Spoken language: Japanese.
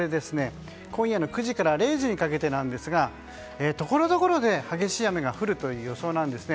今夜の９時から０時にかけてなんですがところどころで激しい雨が降る予想です。